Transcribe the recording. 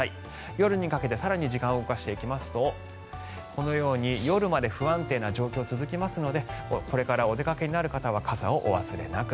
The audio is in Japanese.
夜にかけて更に時間を動かしていきますとこのように夜まで不安定な状況が続きますのでこれからお出かけになる方は傘をお忘れなく。